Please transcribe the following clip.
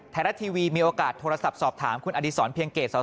ไทยรัฐทีวีมีโอกาสโทรศัพท์สอบถามคุณอดีศรเพียงเกตส